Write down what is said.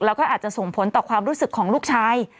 แล้วก็อาจจะส่งผลต่อความรู้สึกของลูกชาย